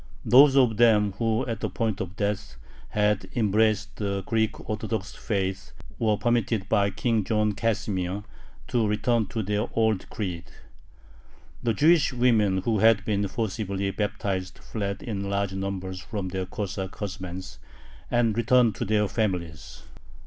Those of them who, at the point of death, had embraced the Greek Orthodox faith, were permitted by King John Casimir to return to their old creed. The Jewish women who had been forcibly baptized fled in large numbers from their Cossack husbands, and returned to their families.